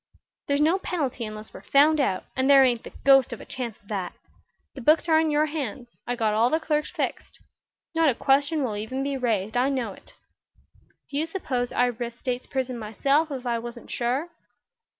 "There's no penalty unless we're found out, and there ain't the ghost of a chance of that. The books are in your hands; I got all the clerks fixed. Not a question will even be raised. I know it. Do you suppose I'd risk state's prison myself, if I wasn't sure?"